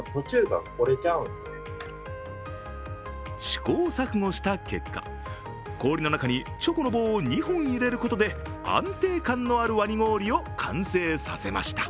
試行錯誤した結果、氷の中にチョコの棒を２本入れることで安定感のあるワニ氷を完成させました。